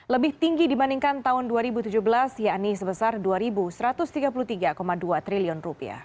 lebih tinggi dibandingkan tahun dua ribu tujuh belas yakni sebesar rp dua satu ratus tiga puluh tiga dua triliun